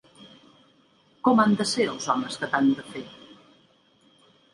Com han de ser els homes que t'han de fer?